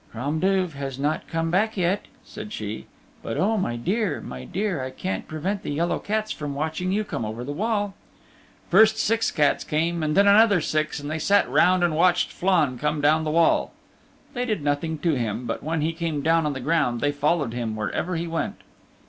"Crom Duv has not come back yet," said she, "but oh, my dear, my dear, I can't prevent the yellow cats from watching you come over the wall." First six cats came and then another six and they sat round and watched Flann come down the wall. They did nothing to him, but when he came down on the ground they followed him wherever he went.